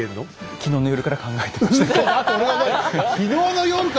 昨日の夜から考えてたのか！